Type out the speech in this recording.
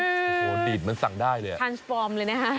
โอ้โหดีดมันสั่งได้เลยอ่ะทานสปอร์มเลยนะฮะ